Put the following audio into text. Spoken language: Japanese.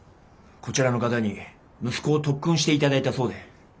こちらの方に息子を特訓して頂いたそうで。